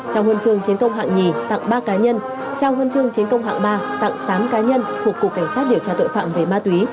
trao huân trường chiến công hạng nhì tặng ba cá nhân trao huân chương chiến công hạng ba tặng tám cá nhân thuộc cục cảnh sát điều tra tội phạm về ma túy